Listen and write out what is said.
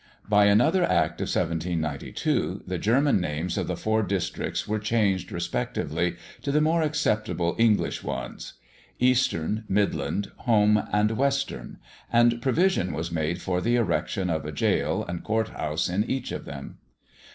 By another Act of 1792 the German names of the four districts were changed respectively to the more acceptable English ones. Eastern, Midland, Home, and Western; and provision was made for the erection of a gaol and court house in each of them.